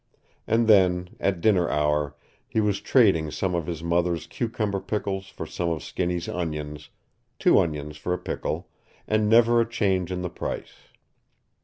And then, at dinner hour, he was trading some of his mother's cucumber pickles for some of Skinny's onions two onions for a pickle, and never a change in the price.